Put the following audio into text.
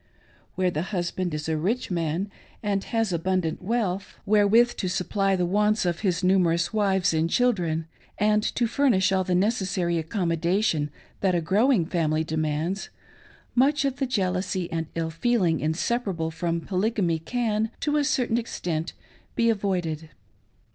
Where the husband is a rich man and has abundant wealth 468 HORRORS OF THE SYSTEM. wherewith to supply the wants of his numerous wives and children, and to furnish all the necessary accommodation that a growing family demands, much of the jealousy and ill feel ing inseparable from , Polygamy can, to a certain extent, be avoided.